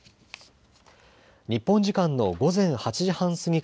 日本時間の午前８時半過ぎ